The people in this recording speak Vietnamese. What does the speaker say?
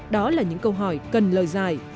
đó là những câu hỏi cần lời giải